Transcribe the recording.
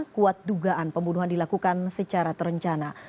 kuat dugaan pembunuhan dilakukan secara terencana